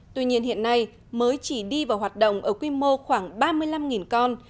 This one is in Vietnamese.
tuy nhiên hiện nay mới chỉ đi vào hoạt động ở quy mô khoảng ba mươi năm con